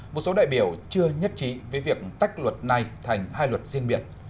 một số đại biểu chưa nhất trí với việc tách luật này thành hai luật riêng biệt